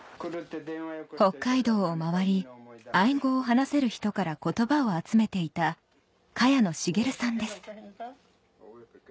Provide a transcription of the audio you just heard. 北海道を回りアイヌ語を話せる人から言葉を集めていた萱野茂さんです